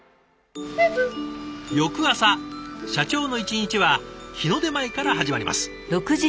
翌朝社長の一日は日の出前から始まります。